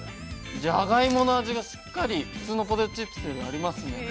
◆じゃがいもの味がしっかり普通のポテトチップスよりもありますね。